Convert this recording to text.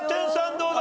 どうだ？